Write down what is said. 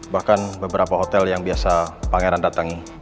bahkan beberapa hotel yang biasa pangeran datangi